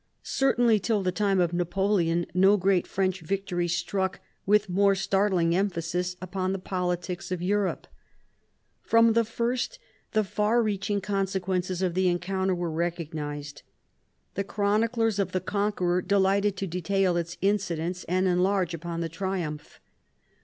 Certainly till the time of Napoleon no great French victory struck with more startling emphasis upon the politics of Europe. From the first the far reaching consequences of the encounter were recognised. The chroniclers of the conqueror delighted to detail its incidents and enlarge upon the triumph.